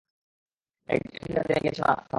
এখন জেনে গিয়েছো না, তাহলে মহল্লা ছেড়ে দাও।